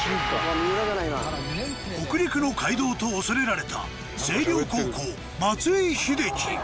北陸の怪童と恐れられた星稜高校松井秀喜。